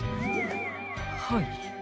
はい。